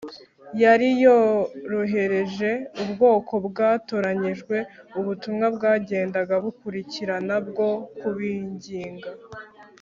yari yaroherereje ubwoko bwatoranyijwe ubutumwa bwagendaga bukurikirana bwo kubinginga